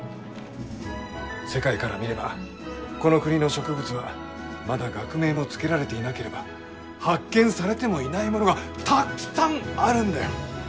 世界から見ればこの国の植物はまだ学名も付けられていなければ発見されてもいないものがたっくさんあるんだよ！